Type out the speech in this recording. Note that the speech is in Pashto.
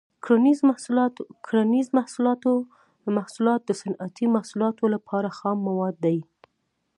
کرنیز محصولات د صنعتي محصولاتو لپاره خام مواد دي.